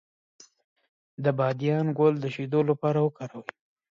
د بادیان ګل د شیدو لپاره وکاروئ